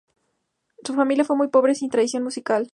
Su familia fue muy pobre, sin tradición musical.